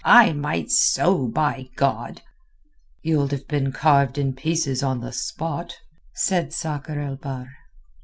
I might so by God!" "You'ld have been carved in pieces on the spot," said Sakr el Bahr.